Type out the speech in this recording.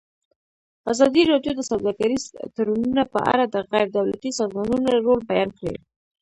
ازادي راډیو د سوداګریز تړونونه په اړه د غیر دولتي سازمانونو رول بیان کړی.